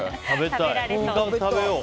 食べたい。